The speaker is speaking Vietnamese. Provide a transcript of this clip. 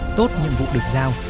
để tìm tốt nhiệm vụ được giao